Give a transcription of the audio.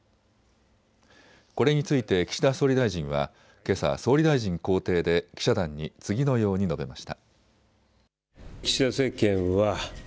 これについて岸田総理大臣はけさ、総理大臣公邸で記者団に次のように述べました。